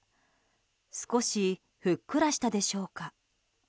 少しふっくらしたでしょうか？